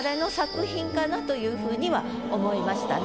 かなというふうには思いましたね。